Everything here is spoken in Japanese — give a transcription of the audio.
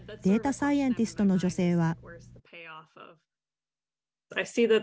サイエンティストの女性は。